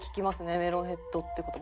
メロンヘッドっていう言葉は。